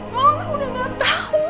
mama udah gak tau